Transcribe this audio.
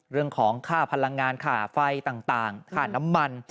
เรื่องของค่าพลังงานค่าไฟต่างค่าน้ำมัน